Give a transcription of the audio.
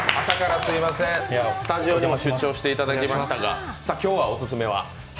朝からすいませんスタジオにもう出張していただきましたが、今日のオススメは？